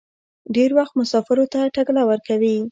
ډېر وخت مسافرو ته ټکله ورکوي.